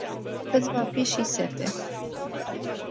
Iti va fi si sete.